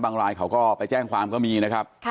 รายเขาก็ไปแจ้งความก็มีนะครับ